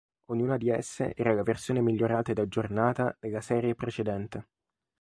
Ognuna di esse era la versione migliorata ed aggiornata della serie precedente.